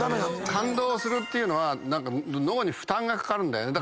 感動するっていうのは脳に負担がかかるんだよね。